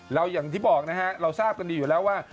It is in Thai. อย่างที่บอกนะฮะเราทราบกันดีอยู่แล้วว่า